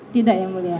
tidak ya mulia